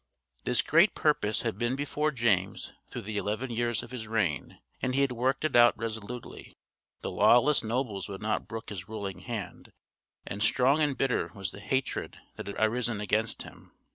This great purpose had been before James through the eleven years of his reign, and he had worked it out resolutely. The lawless nobles would not brook his ruling hand, and strong and bitter was the hatred that had arisen against him.